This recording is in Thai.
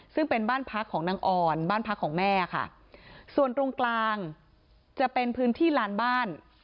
ซึ่งเป็นบ้านพักของนางอ่อนบ้านพักของแม่ค่ะส่วนตรงกลางจะเป็นพื้นที่ลานบ้าน